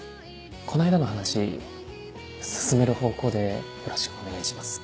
この間の話進める方向でよろしくお願いします。